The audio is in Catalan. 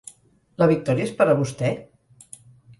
La victòria és per a vostè?